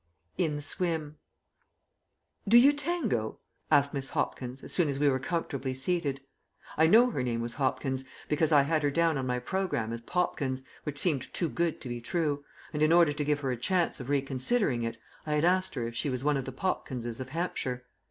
IN THE SWIM "Do you tango?" asked Miss Hopkins, as soon as we were comfortably seated. I know her name was Hopkins, because I had her down on my programme as Popkins, which seemed too good to be true; and, in order to give her a chance of reconsidering it, I had asked her if she was one of the Popkinses of Hampshire.